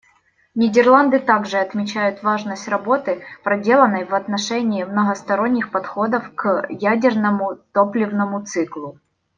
Нидерланды также отмечают важность работы, проделанной в отношении многосторонних подходов к ядерному топливному циклу.